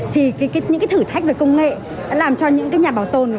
thì những thử thách về công nghệ làm cho những nhà bảo tồn